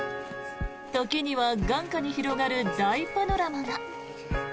時には眼下に広がる大パノラマが。